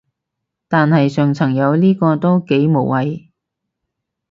但係上層有呢個都幾無謂